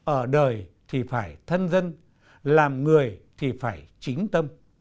ở đời thì phải thân dân làm người thì phải chính tâm